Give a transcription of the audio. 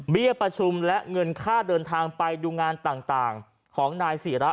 ประชุมและเงินค่าเดินทางไปดูงานต่างของนายศิระ